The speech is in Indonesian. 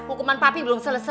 hukuman papi belum selesai